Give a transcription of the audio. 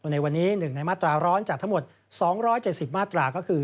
ในวันนี้๑ในมาตราร้อนจากทั้งหมด๒๗๐มาตราก็คือ